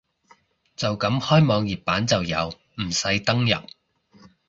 就咁開網頁版就有，唔使登入